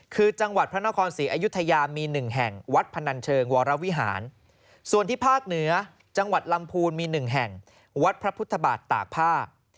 คือจังหวัดพระนครศรีอยุธยามี๑แห่งวัดพนันเชิงวรวิหารส่วนที่ภาคเหนือจังหวัดลำพูนมี๑แห่งวัดพระพุทธบาทตากผ้า